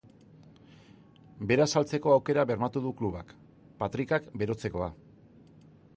Bera saltzeko aukera bermatu du klubak, patrikak berotzekoa.